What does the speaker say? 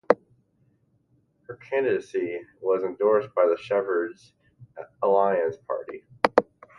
Her candidacy was endorsed by the Shepherds Alliance Party.